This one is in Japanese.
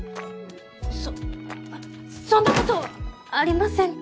そそんなことありませんから。